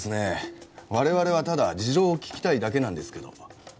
我々はただ事情を聴きたいだけなんですけど。